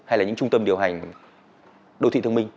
hay là những trung tâm điều hành đô thị thông minh